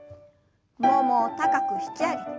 ももを高く引き上げて。